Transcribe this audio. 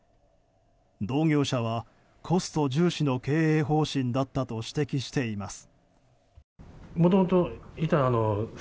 同業者はコスト重視の経営方針だったと指摘しています。